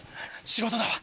仕事だわ！